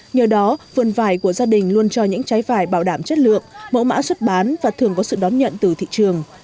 nhờ đó vườn vải của gia đình luôn cho những trái vải bảo đảm chất lượng mẫu mã xuất bán và thường có sự đón nhận từ thị trường